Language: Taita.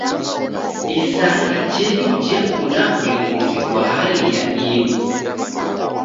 Isanga jedu jeko na w'ulindiri ghwa hali ya ighu.